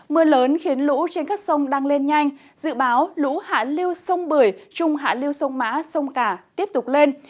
mưa lớn khiến lũ trên các sông đang lên nhanh dự báo lũ hạ lưu sông bưởi trung hạ lưu sông mã sông cả tiếp tục lên